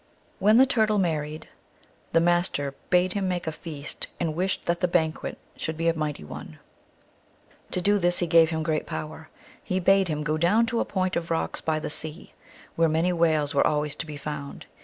When the Turtle married, the Master bade him make a feast, and wished that the banquet should be a mighty one. To do this he gave him great power. He bade him go down to a point of rocks by the sea, where many whales were always to be found.